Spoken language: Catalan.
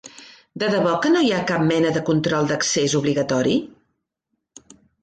De debò que no hi ha cap mena de control d'accés obligatori?